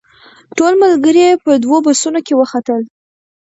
ټول ملګري په دوو بسونو کې وختل.